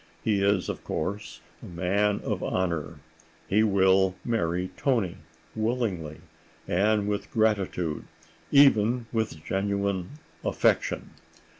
He is, of course, a man of honor. He will marry Toni—willingly and with gratitude, even with genuine affection.